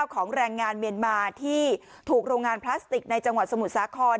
ของแรงงานเมียนมาที่ถูกโรงงานพลาสติกในจังหวัดสมุทรสาคร